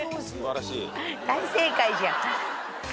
大正解じゃん。